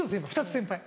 ２つ先輩。